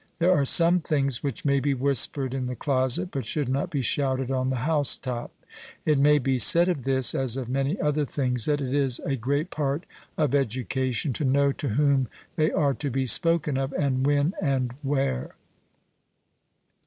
There are some things which may be whispered in the closet, but should not be shouted on the housetop. It may be said of this, as of many other things, that it is a great part of education to know to whom they are to be spoken of, and when, and where.